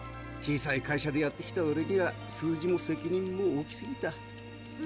小さい会社でやってきたオレには数字も責任も大きすぎた。